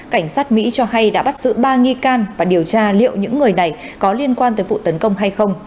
cảnh sát mỹ cho hay đã bắt giữ ba nghi can và điều tra liệu những người này có liên quan tới vụ tấn công hay không